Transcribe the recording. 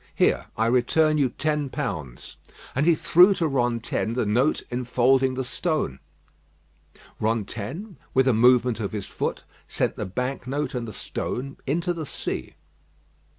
Here, I return you ten pounds." And he threw to Rantaine the note enfolding the stone. Rantaine, with a movement of his foot, sent the bank note and the stone into the sea.